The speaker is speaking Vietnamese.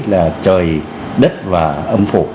là trời đất và âm phổ